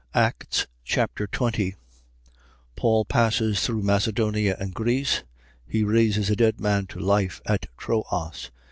Acts Chapter 20 Paul passes through Macedonia and Greece. He raises a dead man to life at Troas.